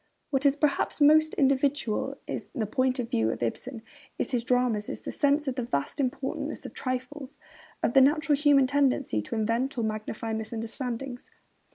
What is perhaps most individual in the point of view of Ibsen in his dramas is his sense of the vast importance trifles, of the natural human tendency to invent or magnify misunderstandings.